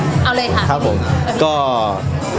บินมาจากอุบลเลยเพื่อมารับเงินบริจักษ์รอบนี้เนอะ